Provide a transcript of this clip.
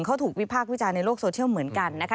เขาถูกวิพากษ์วิจารณ์ในโลกโซเชียลเหมือนกันนะคะ